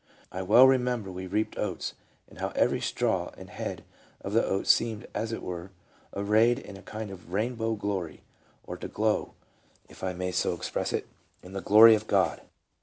I well remember we reaped oats, and how every straw and head of the oats seemed, as it were, arrayed in a kind of rainbow glory, or to glow, if I may so express it, in the glory of God."